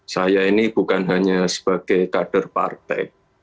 saya ini bukan hanya sebagai kader partai